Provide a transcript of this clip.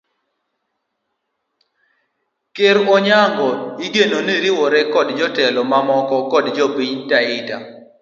Ker Onyango igeno riwore kod jotelo mamoko kod jopiny taita